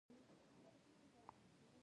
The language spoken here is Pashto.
د بندي تېښته لوی جرم ګڼل کېده.